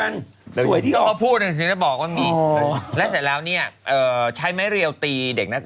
นี่มีเต็มเลยแถวนี้มีเต็มเลย